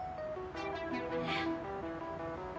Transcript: えっ。